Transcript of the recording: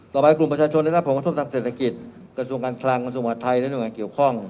กลุ่มประชาชนได้รับผลกระทบทางเศรษฐกิจกระทรวงการคลังกระทรวงมหาดไทยและหน่วยงานเกี่ยวข้อง